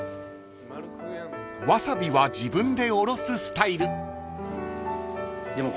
［ワサビは自分でおろすスタイル］